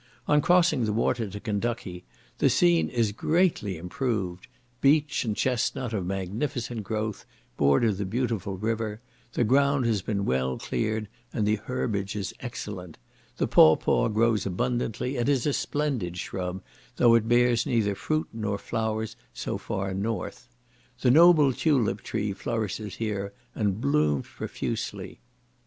On crossing the water to Kentucky the scene is greatly improved; beech and chestnut, of magnificent growth, border the beautiful river; the ground has been well cleared, and the herbage is excellent; the pawpaw grows abundantly, and is a splendid shrub, though it bears neither fruit nor flowers so far north. The noble tulip tree flourishes here, and blooms profusely.